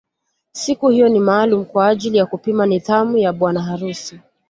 Siku hiyo ni maalum kwa ajili ya kupima nidhamu ya bwana harusi